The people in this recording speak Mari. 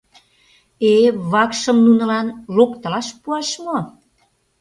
— Э, вакшым нунылан локтылаш пуаш мо...